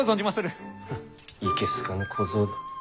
ハッいけ好かぬ小僧だ。